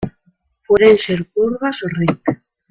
Pueden ser curvas o rectas.